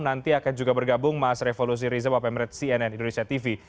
nanti akan juga bergabung mas revolusi riza wapemret cnn indonesia tv